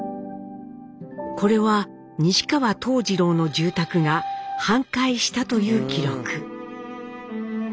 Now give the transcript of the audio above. これは西川藤二郎の住宅が半壊したという記録。